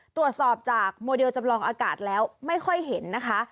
ตรวจสอบจากโมเดลจำลองอากาศแล้วไม่ค่อยเห็นนะคะ